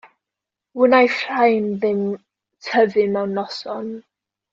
Wnaiff rhain ddim tyfu mewn noson.